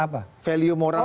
kalau pesan pesan moral